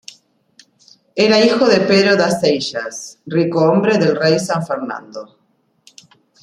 Era hijo de Pedro das Seixas, Ricohombre del rey San Fernando.